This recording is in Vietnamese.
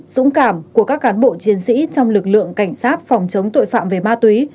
dũng cảm của các cán bộ chiến sĩ trong lực lượng cảnh sát phòng chống tội phạm về ma túy